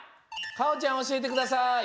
かおちゃんおしえてください。